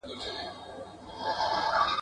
ځوان له سپي څخه بېحده په عذاب سو !.